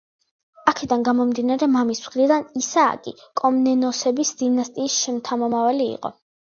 აქედან გამომდინარე, მამის მხრიდან, ისააკი კომნენოსების დინასტიის შთამომავალი იყო.